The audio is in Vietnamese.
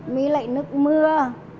mỹ lệ nước mưa